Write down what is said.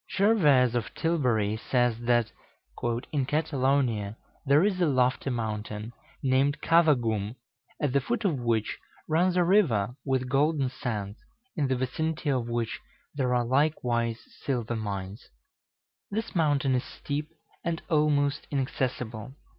Gervase of Tilbury says that "in Catalonia there is a lofty mountain, named Cavagum, at the foot of which runs a river with golden sands, in the vicinity of which there are likewise silver mines. This mountain is steep, and almost inaccessible.